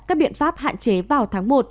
các biện pháp hạn chế vào tháng một